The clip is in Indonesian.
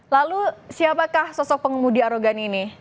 lalu siapakah sosok pengemudi arogan ini